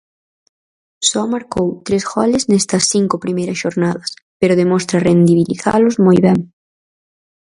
Só marcou tres goles nestas cinco primeiras xornadas pero demostra rendibilizalos moi ben.